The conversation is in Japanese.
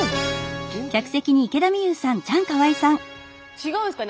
違うんですかね